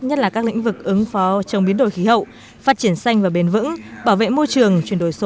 nhất là các lĩnh vực ứng phó trong biến đổi khí hậu phát triển xanh và bền vững bảo vệ môi trường